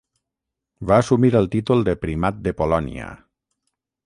Va assumir el títol de Primat de Polònia.